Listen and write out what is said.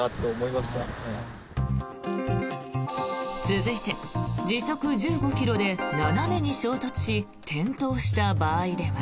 続いて、時速１５ｋｍで斜めに衝突し転倒した場合では。